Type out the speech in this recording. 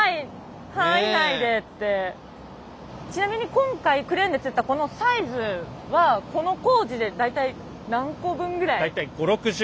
ちなみに今回クレーンでつったこのサイズはこの工事で大体何個分ぐらい？